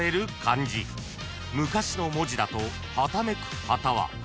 ［昔の文字だとはためく旗は］